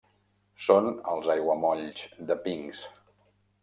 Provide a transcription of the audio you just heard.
Són els aiguamolls de Pinsk.